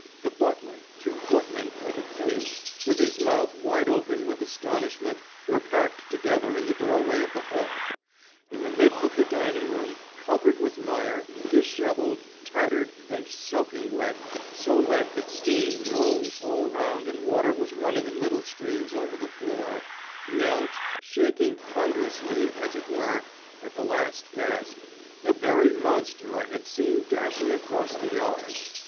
The butler, two footmen, and a page, with his mouth wide open with astonishment, were packed together in the doorway of the hall. In the middle of the dining room, covered with mire, dishevelled, tattered, and soaking wet so wet that steam rose all round and water was running in little streams over the floor knelt, shaking ponderously, as it were, at the last gasp … the very monster I had seen dashing across the yard!